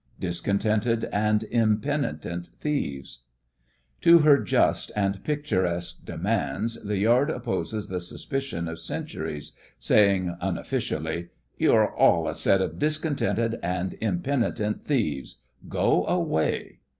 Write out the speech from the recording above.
DISCONTENTED AND IMPENITENT THIEVES To her just and picturesque demands the Yard opposes the suspicion of Centuries, saying, unofficially: 'You are all a set of discontented and impenitent thieves. Go away.